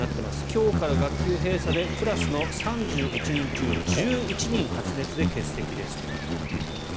今日から学級閉鎖でクラスの３１人中１１人発熱で欠席ですということです。